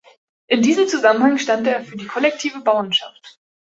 In diesem Zusammenhang stand er für die kollektive Bauernschaft.